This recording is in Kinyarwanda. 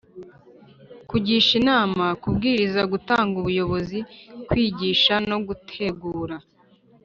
kugisha inama, kubwiriza, gutanga ubuyobozi, kwigisha no gutegura